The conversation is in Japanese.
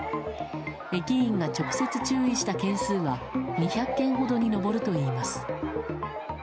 駅員が直接注意した件数は２００件ほどに上るといいます。